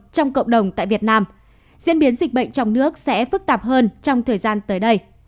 trong cộng đồng tại việt nam diễn biến dịch bệnh trong nước sẽ phức tạp hơn trong thời gian tới đây